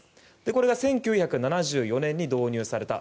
これが１９７４年に導入された。